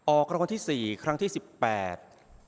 รางวัลที่สี่ครั้งที่สิบแปด